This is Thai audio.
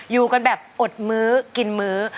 อยู่กันแบบอดมื้อกินมื้อ